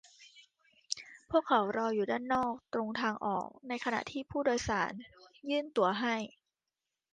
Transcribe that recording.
พวกเขารออยู่ด้านนอกตรงทางออก ในขณะที่ผู้โดยสารยื่นตั๋วให้